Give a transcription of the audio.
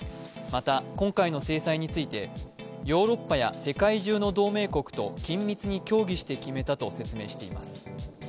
また、今回の制裁についてヨーロッパや世界中の同盟国と緊密に協議して決めたと説明しています。